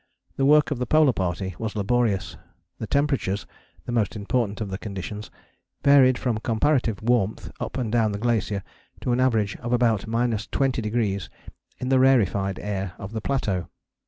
The work of the Polar Party was laborious: the temperatures (the most important of the conditions) varied from comparative warmth up and down the glacier to an average of about 20° in the rarefied air of the plateau.